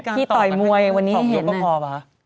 พี่ต่อยมวยวันนี้ให้เห็นนะ